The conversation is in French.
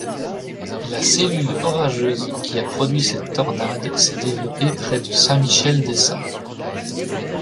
La cellule orageuse qui a produit cette tornade s’est développée près de Saint-Michel-des-Saints.